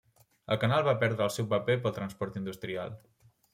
El canal va perdre el seu paper pel transport industrial.